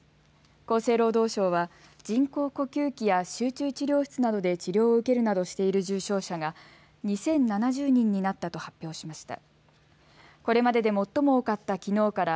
厚生労働省は人工呼吸器や集中治療室などで治療を受けるなどしている重症者が２０７０人になったと発表しました。